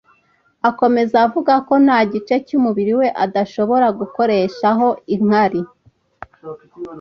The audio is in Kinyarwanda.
Akomeza avuga ko nta gice cy’umubiri we adashobora gukoreshaho inkari